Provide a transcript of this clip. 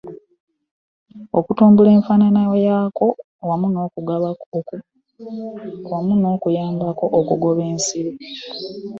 Okutumbula enfaanana yaakyo wamu n'okuyambako okugoba ensiri.